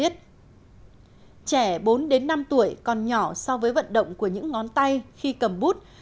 trẻ bốn đến năm tuổi còn nhỏ so với vận động của những ngón tay khi cầm bút